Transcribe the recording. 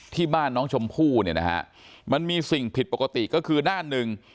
ที่บ้านน้องชมพู่เนี่ยนะฮะมันมีสิ่งผิดปกติก็คือด้านหนึ่ง